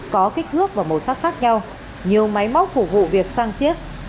có kích thước và màu sắc khác nhau nhiều máy móc phục vụ việc sang chiết